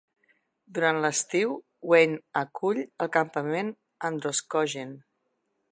Durant l'estiu, Wayne acull el Campament Androscoggin.